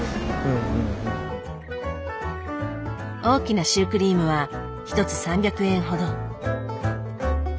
大きなシュークリームは１つ３００円ほど。